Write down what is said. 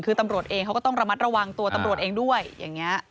คือตำรวจเองเขาก็ต้องระมัดระวังตัวตำรวจเองด้วยอย่างนี้